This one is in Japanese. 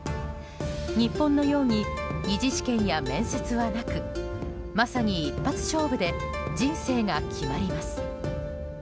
日本のように２次試験や面接はなくまさに一発勝負で人生が決まります。